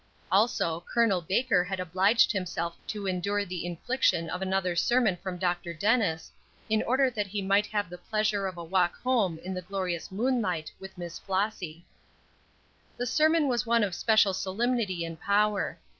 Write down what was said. Also, Col. Baker had obliged himself to endure the infliction of another sermon from Dr. Dennis, in order that he might have the pleasure of a walk home in the glorious moonlight with Miss Flossy. The sermon was one of special solemnity and power.